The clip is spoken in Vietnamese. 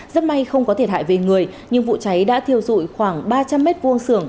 rất may không có thiệt hại về người nhưng vụ cháy đã thiêu dụi khoảng ba trăm linh mét vuông sưởng